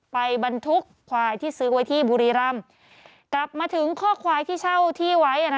บรรทุกควายที่ซื้อไว้ที่บุรีรำกลับมาถึงข้อควายที่เช่าที่ไว้